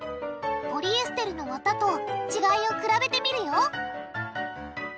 ポリエステルのわたと違いを比べてみるよ！